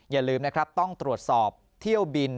อย่าลืมนะครับต้องตรวจสอบเที่ยวบิน